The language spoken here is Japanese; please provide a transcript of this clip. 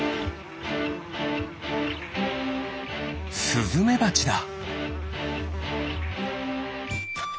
スズメバチだ。